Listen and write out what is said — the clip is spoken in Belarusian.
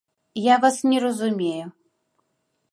Я вас не разумею.